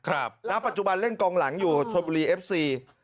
ณปัจจุบันเล่นกองหลังอยู่ชนบุรีเอฟซี